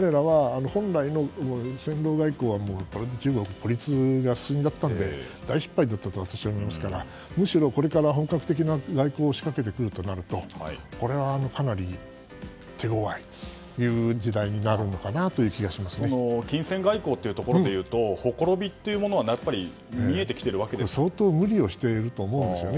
いずれにしましても彼らは本来の戦狼外交は中国の孤立が進んじゃったので大失敗だと私はお思いますがむしろ、これから本格的な外交を仕掛けてくるとなるとこれはかなり手ごわいという時代になるのかな金銭外交というところでいうと今は相当無理をしていると思うんですよね。